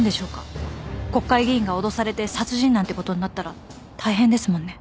国会議員が脅されて殺人なんて事になったら大変ですもんね。